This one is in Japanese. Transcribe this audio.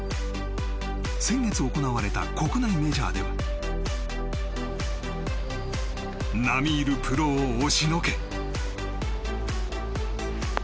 先月行われた国内メジャーでは並みいるプロを押しのけ。